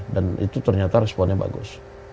dan itu ternyata responnya bagus